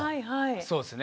そうですね。